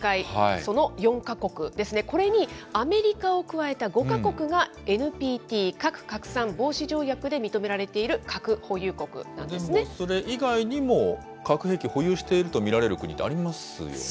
その４か国ですね、これにアメリカを加えた５か国がＮＰＴ・核拡散防止条約で認めらでもそれ以外にも、核兵器保有していると見られる国ってありますよね。